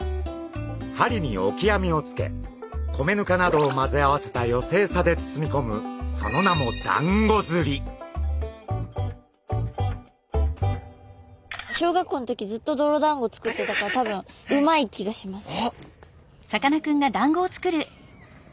針にオキアミをつけ米ぬかなどを混ぜ合わせた寄せエサで包みこむその名も小学校の時ずっとどろだんご作ってたから多分うまい気がします。